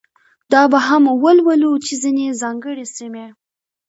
دا به هم ولولو چې ځینې ځانګړې سیمې.